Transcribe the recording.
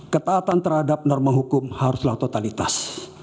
ketaatan terhadap norma hukum haruslah totalitas